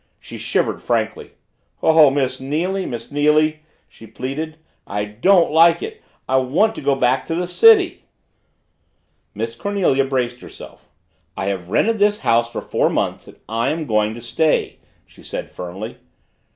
She shivered frankly. "Oh, Miss Neily Miss Neily!" she pleaded. "I don't like it! I want to go back to the city!" Miss Cornelia braced herself. "I have rented this house for four months and I am going to stay," she said firmly.